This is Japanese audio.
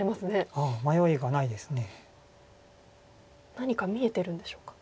何か見えてるんでしょうか。